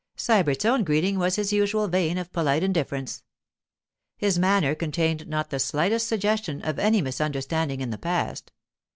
Sybert's own greeting was in his usual vein of polite indifference. His manner contained not the slightest suggestion of any misunderstanding in the past.